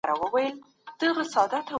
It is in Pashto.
د نورو بریالیتوب ته په کینه مه ګورئ.